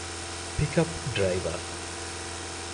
ޕިކަޕް ޑްރައިވަރ